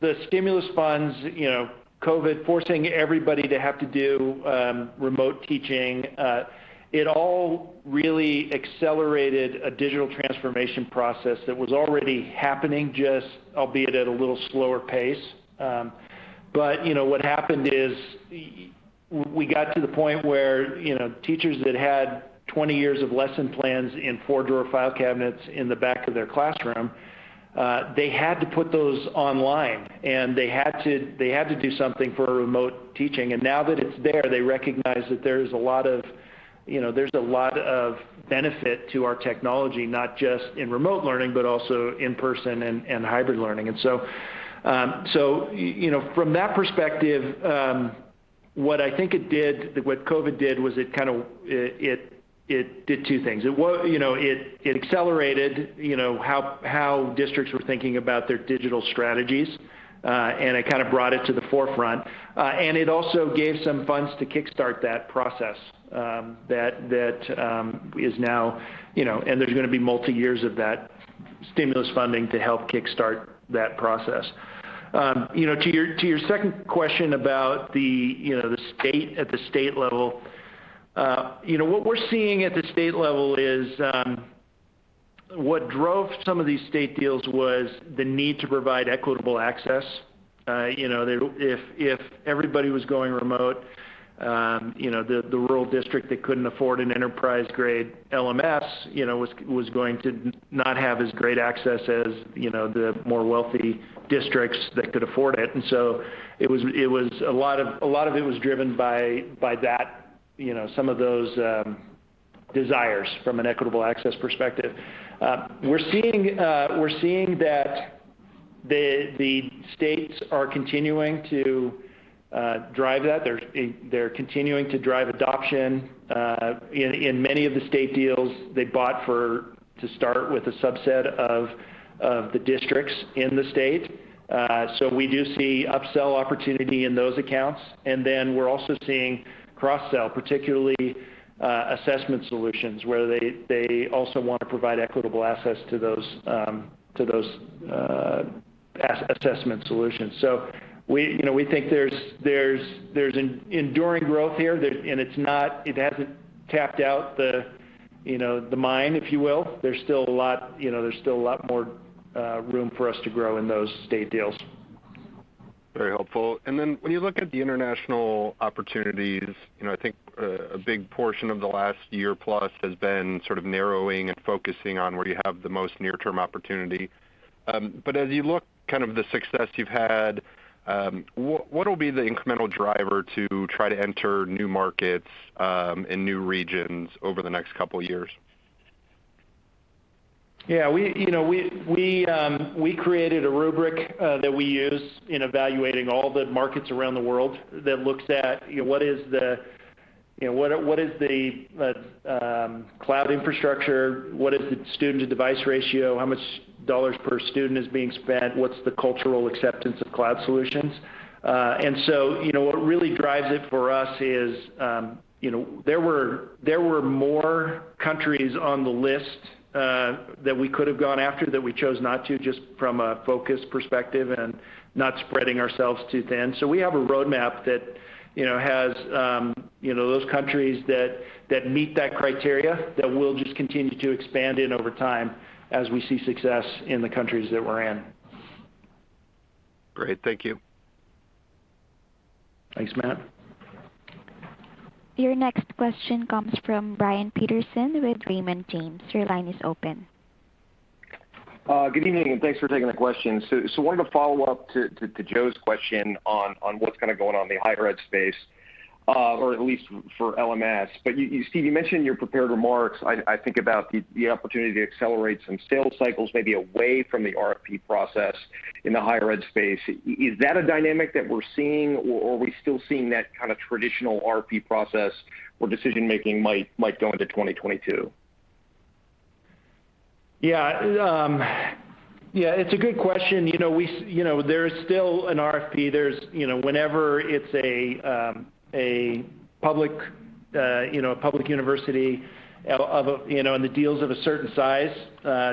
Speaker 3: The stimulus funds, COVID forcing everybody to have to do remote teaching, it all really accelerated a digital transformation process that was already happening, just albeit at a little slower pace. What happened is we got to the point where teachers that had 20 years of lesson plans in four-drawer file cabinets in the back of their classroom, they had to put those online, and they had to do something for remote teaching. Now that it's there, they recognize that there's a lot of benefit to our technology, not just in remote learning, but also in-person and hybrid learning. From that perspective, what I think COVID did was it did two things. It accelerated how districts were thinking about their digital strategies. It kind of brought it to the forefront. It also gave some funds to kickstart that process, there's going to be multi-years of that stimulus funding to help kickstart that process. To your second question about at the state level, what we're seeing at the state level is what drove some of these state deals was the need to provide equitable access. If everybody was going remote, the rural district that couldn't afford an enterprise-grade LMS was going to not have as great access as the more wealthy districts that could afford it. A lot of it was driven by some of those desires from an equitable access perspective. We're seeing that the states are continuing to drive that. They're continuing to drive adoption. In many of the state deals, they bought to start with a subset of the districts in the state. We do see upsell opportunity in those accounts, and then we're also seeing cross-sell, particularly assessment solutions, where they also want to provide equitable access to those assessment solutions. We think there's an enduring growth here, and it hasn't tapped out the mine, if you will. There's still a lot more room for us to grow in those state deals.
Speaker 10: Very helpful. When you look at the international opportunities, I think a big portion of the last year-plus has been sort of narrowing and focusing on where you have the most near-term opportunity. As you look, the success you've had, what'll be the incremental driver to try to enter new markets in new regions over the next couple of years?
Speaker 3: Yeah. We created a rubric that we use in evaluating all the markets around the world that looks at, what is the cloud infrastructure? What is the student-to-device ratio? How much dollars per student is being spent? What's the cultural acceptance of cloud solutions? What really drives it for us is, there were more countries on the list that we could have gone after that we chose not to, just from a focus perspective and not spreading ourselves too thin. We have a roadmap that has those countries that meet that criteria, that we'll just continue to expand in over time as we see success in the countries that we're in.
Speaker 10: Great. Thank you.
Speaker 3: Thanks, Matt.
Speaker 1: Your next question comes from Brian Peterson with Raymond James. Your line is open.
Speaker 11: Good evening, and thanks for taking the question. I wanted to follow up to Joe's question on what's going on in the higher ed space, or at least for LMS. Steve, you mentioned in your prepared remarks, I think about the opportunity to accelerate some sales cycles, maybe away from the RFP process in the higher ed space. Is that a dynamic that we're seeing, or are we still seeing that traditional RFP process where decision-making might go into 2022?
Speaker 3: Yeah. It's a good question. There's still an RFP. Whenever it's a public university and the deal's of a certain size,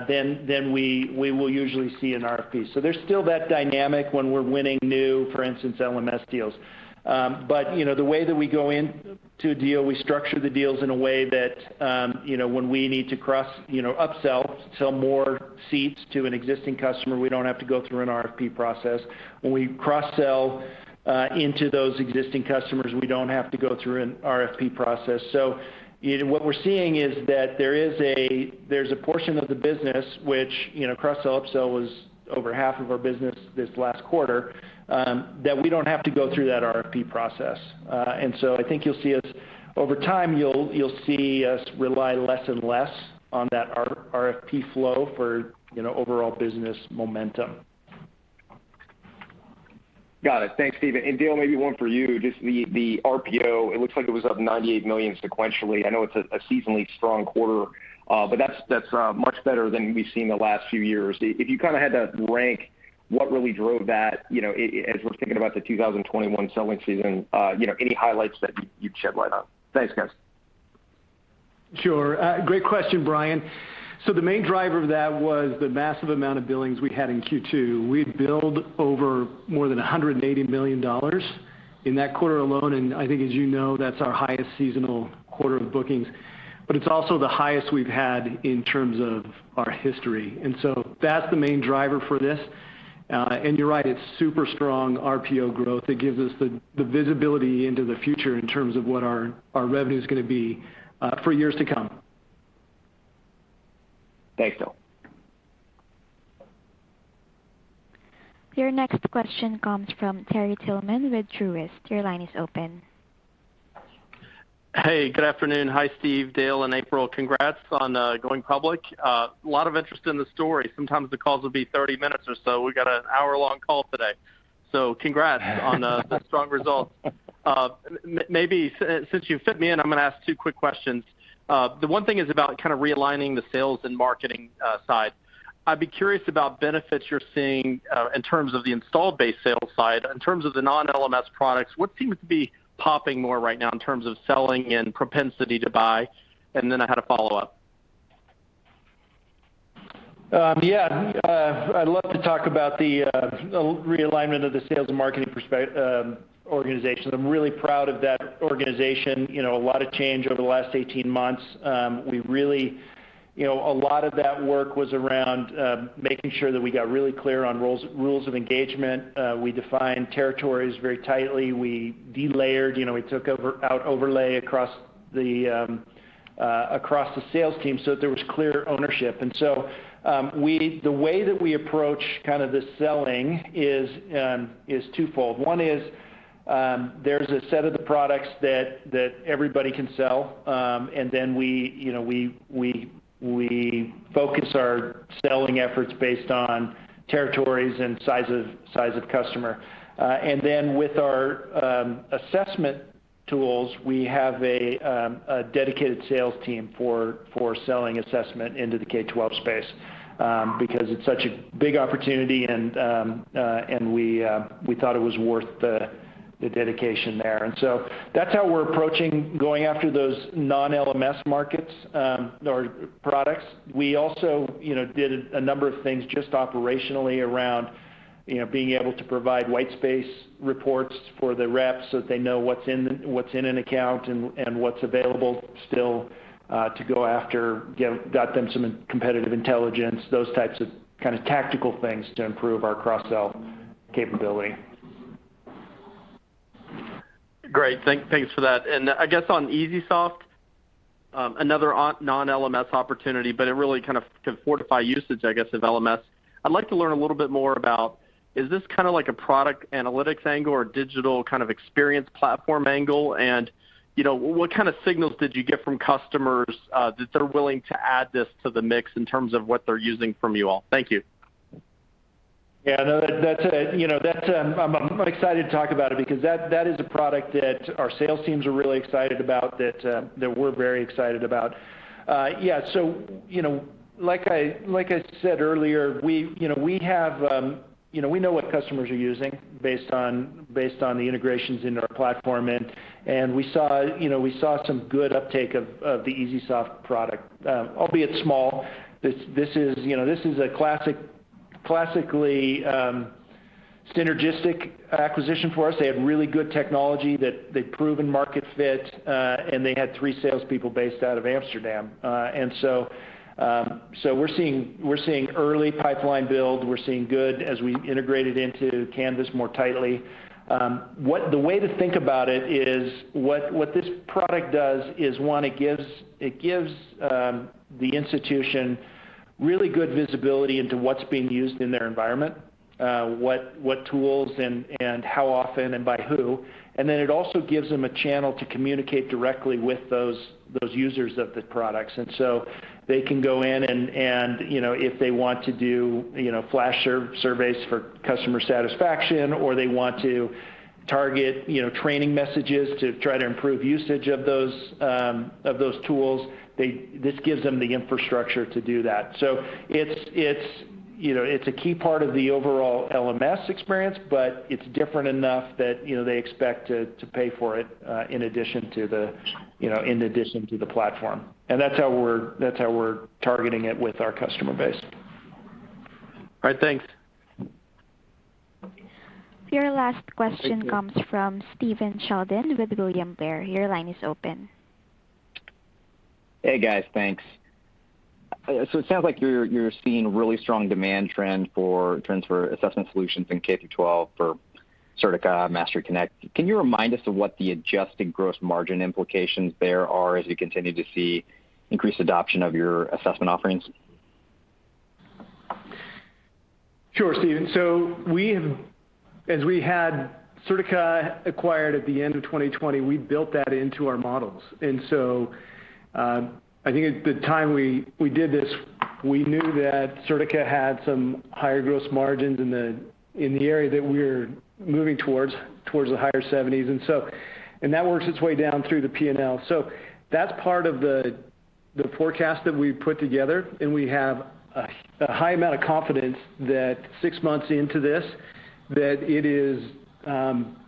Speaker 3: then we will usually see an RFP. There's still that dynamic when we're winning new, for instance, LMS deals. The way that we go into a deal, we structure the deals in a way that when we need to upsell, sell more seats to an existing customer, we don't have to go through an RFP process. When we cross-sell into those existing customers, we don't have to go through an RFP process. What we're seeing is that there's a portion of the business, which cross-sell, upsell was over half of our business this last quarter, that we don't have to go through that RFP process. I think over time, you'll see us rely less and less on that RFP flow for overall business momentum.
Speaker 11: Got it. Thanks, Steve. Dale, maybe one for you. Just the RPO, it looks like it was up $98 million sequentially. I know it's a seasonally strong quarter, but that's much better than we've seen the last few years. If you had to rank what really drove that, as we're thinking about the 2021 selling season, any highlights that you'd shed light on? Thanks, guys.
Speaker 4: Sure. Great question, Brian. The main driver of that was the massive amount of billings we had in Q2. We billed over more than $180 million in that quarter alone, and I think as you know, that's our highest seasonal quarter of bookings, but it's also the highest we've had in terms of our history. That's the main driver for this. You're right, it's super strong RPO growth that gives us the visibility into the future in terms of what our revenue's going to be for years to come.
Speaker 11: Thanks, Dale.
Speaker 1: Your next question comes from Terry Tillman with Truist. Your line is open.
Speaker 12: Hey, good afternoon. Hi, Steve, Dale, and April. Congrats on going public. A lot of interest in the story. Sometimes the calls will be 30 minutes or so. We've got a one-hour long call today. Congrats on the strong results. Maybe since you've fit me in, I'm going to ask two quick questions. The one thing is about realigning the sales and marketing side. I'd be curious about benefits you're seeing in terms of the installed base sales side. In terms of the non-LMS products, what seems to be popping more right now in terms of selling and propensity to buy? I had a follow-up.
Speaker 3: Yeah. I'd love to talk about the realignment of the sales and marketing organization. I'm really proud of that organization. A lot of change over the last 18 months. A lot of that work was around making sure that we got really clear on rules of engagement. We defined territories very tightly. We de-layered. We took out overlay across the sales team so that there was clear ownership. The way that we approach the selling is twofold. One is, there's a set of the products that everybody can sell, and then we focus our selling efforts based on territories and size of customer. With our assessment tools, we have a dedicated sales team for selling assessment into the K-12 space, because it's such a big opportunity, and we thought it was worth the dedication there. That's how we're approaching going after those non-LMS markets or products. We also did a number of things just operationally around being able to provide white space reports for the reps so that they know what's in an account and what's available still to go after, got them some competitive intelligence, those types of tactical things to improve our cross-sell capability.
Speaker 12: Great. Thanks for that. I guess on EesySoft, another non-LMS opportunity, but it really can fortify usage, I guess, of LMS. I'd like to learn a little bit more about, is this like a product analytics angle or a digital experience platform angle? What kind of signals did you get from customers that they're willing to add this to the mix in terms of what they're using from you all? Thank you.
Speaker 3: Yeah, no, I'm excited to talk about it because that is a product that our sales teams are really excited about, that we're very excited about. Like I said earlier, we know what customers are using based on the integrations into our platform, and we saw some good uptake of the EesySoft product, albeit small. This is a classically synergistic acquisition for us. They have really good technology that they've proven market fit, and they had three salespeople based out of Amsterdam. We're seeing early pipeline build. The way to think about it is what this product does is, 1, it gives the institution really good visibility into what's being used in their environment, what tools and how often and by who. It also gives them a channel to communicate directly with those users of the products. They can go in, and if they want to do flash surveys for customer satisfaction, or they want to target training messages to try to improve usage of those tools, this gives them the infrastructure to do that. It's a key part of the overall LMS experience, but it's different enough that they expect to pay for it in addition to the platform. That's how we're targeting it with our customer base.
Speaker 12: All right, thanks.
Speaker 1: Your last question comes from Stephen Sheldon with William Blair. Your line is open.
Speaker 13: Hey, guys. Thanks. It sounds like you're seeing really strong demand trends for assessment solutions in K-12 for Certica, MasteryConnect. Can you remind us of what the adjusted gross margin implications there are as you continue to see increased adoption of your assessment offerings?
Speaker 4: Sure, Stephen. As we had Certica acquired at the end of 2020, we built that into our models. I think at the time we did this, we knew that Certica had some higher gross margins in the area that we're moving towards the higher 70%. That works its way down through the P&L. That's part of the forecast that we've put together, and we have a high amount of confidence that six months into this, that it is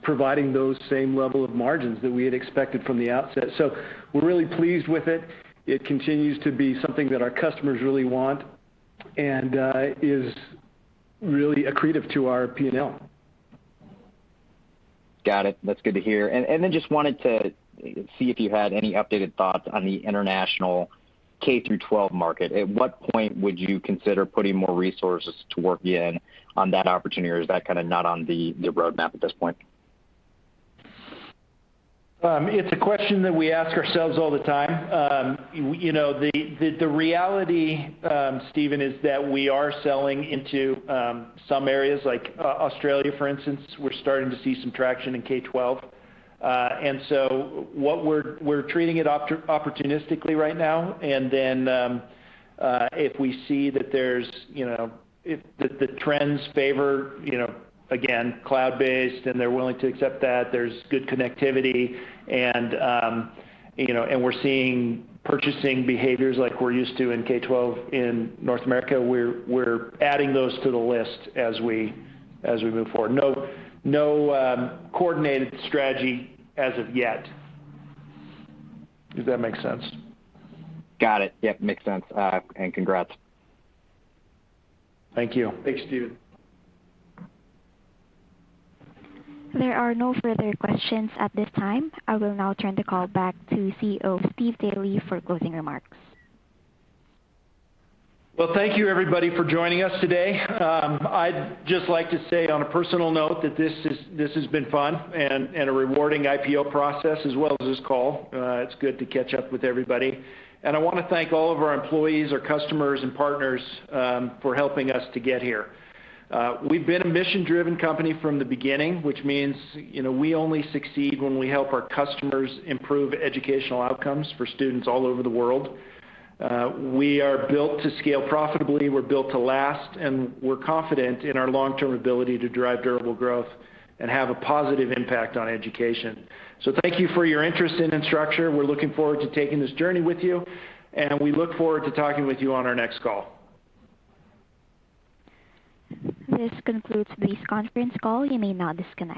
Speaker 4: providing those same level of margins that we had expected from the outset. We're really pleased with it. It continues to be something that our customers really want and is really accretive to our P&L.
Speaker 13: Got it. That's good to hear. Just wanted to see if you had any updated thoughts on the international K-12 market. At what point would you consider putting more resources to work in on that opportunity, or is that not on the roadmap at this point?
Speaker 3: It's a question that we ask ourselves all the time. The reality, Stephen, is that we are selling into some areas like Australia, for instance. We're starting to see some traction in K-12. We're treating it opportunistically right now. If we see that the trends favor, again, cloud-based and they're willing to accept that, there's good connectivity, and we're seeing purchasing behaviors like we're used to in K-12 in North America, we're adding those to the list as we move forward. No coordinated strategy as of yet. Does that make sense?
Speaker 13: Got it. Yep, makes sense. Congrats.
Speaker 3: Thank you.
Speaker 4: Thanks, Stephen.
Speaker 1: There are no further questions at this time. I will now turn the call back to CEO Steve Daly for closing remarks.
Speaker 3: Well, thank you everybody for joining us today. I'd just like to say on a personal note that this has been fun and a rewarding IPO process as well as this call. It's good to catch up with everybody. I want to thank all of our employees, our customers, and partners for helping us to get here. We've been a mission-driven company from the beginning, which means we only succeed when we help our customers improve educational outcomes for students all over the world. We are built to scale profitably, we're built to last, and we're confident in our long-term ability to drive durable growth and have a positive impact on education. Thank you for your interest in Instructure. We're looking forward to taking this journey with you, and we look forward to talking with you on our next call.
Speaker 1: This concludes this conference call. You may now disconnect.